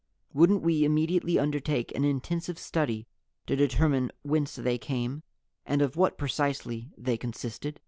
Wouldn't We immediately undertake an intensive study to determine whence they came, and of what, precisely, they consisted?